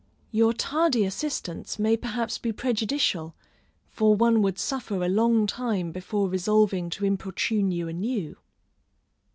Your tardy assistance may perhaps be prejudicial, for one would suffer a long time before resolving to importune you anew.